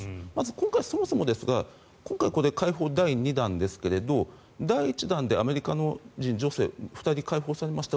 今回、そもそもですが今回これ、解放第２弾ですが第１弾でアメリカ人女性２人解放されました。